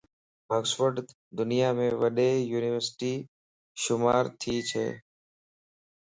اوڪسفورڊ دنيا مَ وڏي يونيورسٽي شمار تي چھه